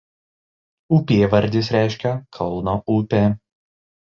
Upėvardis reiškia "kalno upė".